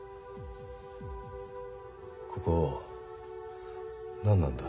ここ何なんだ？